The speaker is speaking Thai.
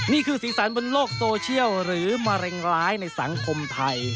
สีสันบนโลกโซเชียลหรือมะเร็งร้ายในสังคมไทย